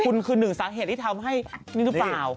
คุณคือหนึ่งสาเหตุที่ทำให้นี่หรือเปล่า